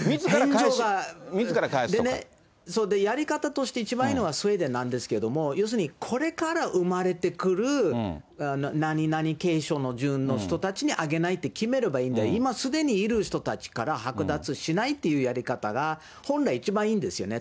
返上は、やり方として一番いいのはスウェーデンなんですけれども、要するに、これから産まれてくる何々継承の順の人たちにあげないって決めればいいんで、今すでにいる人たちから剥奪しないっていうやり方が本来、一番いいんですよね。